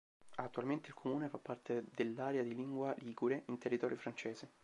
Attualmente il comune fa parte dell'area di lingua ligure in territorio francese.